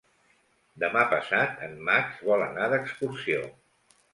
Demà passat en Max vol anar d'excursió.